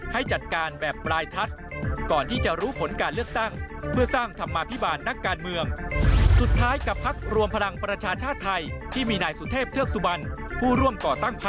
ให้จัดการแบบวลายทัศก์